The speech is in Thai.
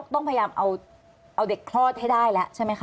ต้องพยายามเอาเด็กคลอดให้ได้แล้วใช่ไหมคะ